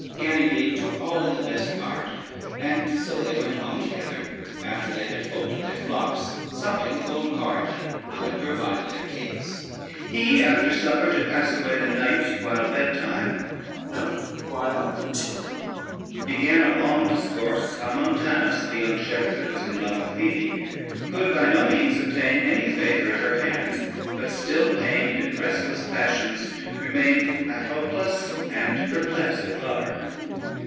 Ganymede took all in the best part, and so they went home together after they had folded their flocks, supping with old Corydon, who had provided their cates. He, after supper, to pass away the night while bedtime, began a long discourse, how Montanus, the young shepherd that was in love with Phoebe, could by no means obtain any favor at her hands, but, still pained in restless passions, remained a hopeless and perplexed lover.